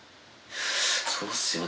そうっすよね。